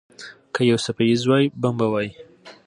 که یو څپیز وای، بم به وای.